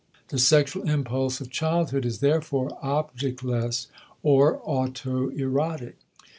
The sexual impulse of childhood is therefore objectless or autoerotic.